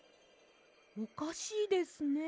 おかしいですね。